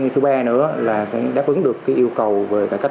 thứ ba nữa là cũng đáp ứng được yêu cầu về cải cách